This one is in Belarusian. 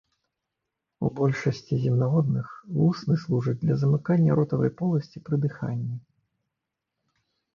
У большасці земнаводных вусны служаць для замыкання ротавай поласці пры дыханні.